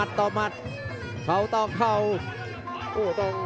ชาเลน์